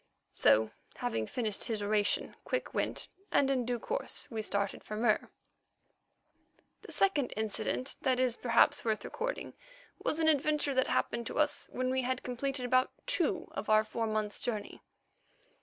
So, having finished his oration, Quick went, and in due course we started for Mur. The second incident that is perhaps worth recording was an adventure that happened to us when we had completed about two of our four months' journey.